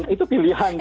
itu pilihan sih